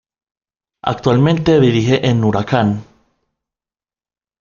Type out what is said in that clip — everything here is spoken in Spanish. Actualmente dirige en Huracán.